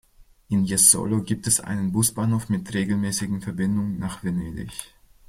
In Jesolo gibt es einen Busbahnhof mit regelmäßigen Verbindungen nach Venedig.